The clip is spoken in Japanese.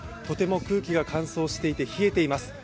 とても空気が乾燥していて冷えています。